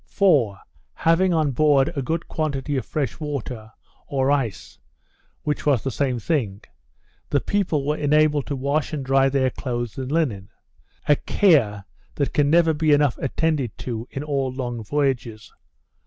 For, having on board a good quantity of fresh water, or ice, which was the same thing, the people were enabled to wash and dry their clothes and linen; a care that can never be enough attended to in all long voyages.